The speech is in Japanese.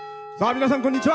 皆さん、こんにちは。